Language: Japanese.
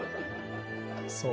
そう。